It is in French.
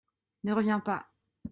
Ne reviens pas !